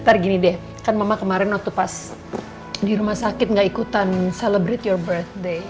ntar gini deh kan mama kemarin waktu pas di rumah sakit gak ikutan celebriti your bread day